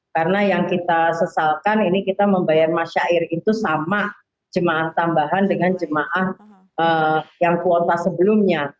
karena yang kita sesalkan ini kita membayar masyair itu sama jemaah tambahan dengan jemaah yang kuota sebelumnya